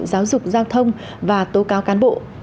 giáo dục giao thông và tố cáo cán bộ